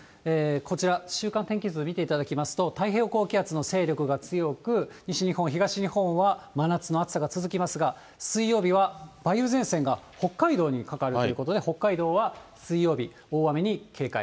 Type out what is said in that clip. こちら、週間天気図見ていただきますと、太平洋高気圧の勢力が強く、西日本、東日本は真夏の暑さが続きますが、水曜日は梅雨前線が北海道にかかるということで、北海道は水曜日、大雨に警戒。